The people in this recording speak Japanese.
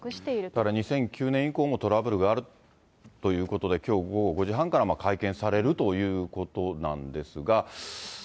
だから２００９年以降もトラブルがあるということで、きょう午後５時半から会見されるということなんですが。